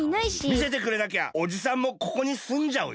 みせてくれなきゃおじさんもここにすんじゃうよ？